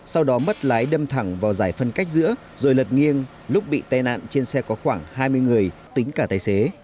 sau đó mất lái đâm thẳng vào giải phân cách giữa rồi lật nghiêng lúc bị tai nạn trên xe có khoảng hai mươi người tính cả tài xế